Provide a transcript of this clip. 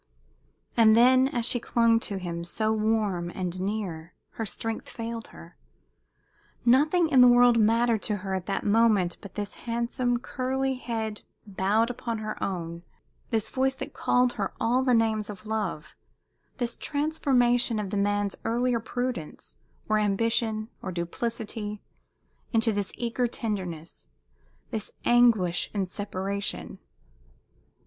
And then as she clung to him, so warm and near, her strength failed her. Nothing in the world mattered to her at that moment but this handsome, curly head bowed upon her own, this voice that called her all the names of love, this transformation of the man's earlier prudence, or ambition, or duplicity, into this eager tenderness, this anguish in separation....